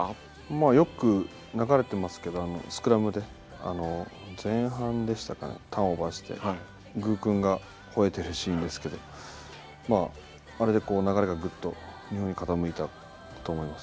まあよく流れてますけどスクラムで前半でしたかねターンオーバーしてグ君がほえてるシーンですけどあれでこう流れがグッと日本に傾いたと思います